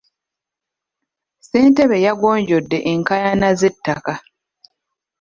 Ssentebe yagonjodde enkaayana z'ettaka.